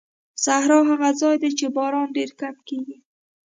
صحرا هغه ځای دی چې باران ډېر کم کېږي.